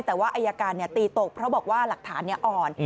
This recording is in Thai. แต่ว่าอายการตีตกเพราะบอกว่าหลักฐานอ่อน